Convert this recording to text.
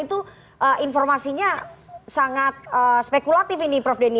itu informasinya sangat spekulatif ini prof denny